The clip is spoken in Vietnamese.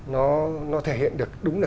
nó thể hiện được đúng là